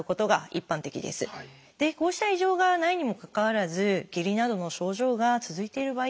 こうした異常がないにもかかわらず下痢などの症状が続いている場合ですね